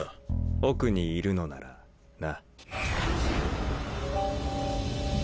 奥にいるのならな。